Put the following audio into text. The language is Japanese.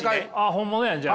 本物やじゃあ。